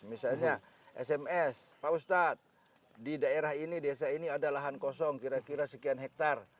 misalnya sms pak ustadz di daerah ini desa ini ada lahan kosong kira kira sekian hektare